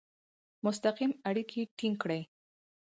مستقیم اړیکي ټینګ کړي.